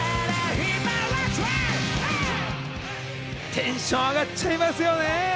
テンション上がっちゃいますよね。